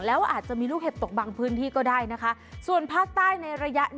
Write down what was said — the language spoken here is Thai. แล้วอาจจะมีลูกเห็บตกบางพื้นที่ก็ได้นะคะส่วนภาคใต้ในระยะนี้